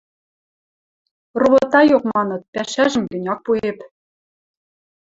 Ровотайок маныт, пӓшӓжӹм гӹнь ак пуэп.